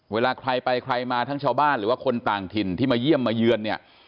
เวลาใครไปใครมาทั้งชาวบ้านหรือว่าคนต่างถิ่นที่มาเยี่ยมมาเยือนเนี่ย